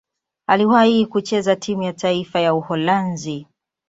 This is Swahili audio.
Aliwahi kucheza timu ya taifa ya Uholanzi.